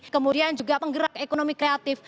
kemudian juga penggerak ekonomi kreatif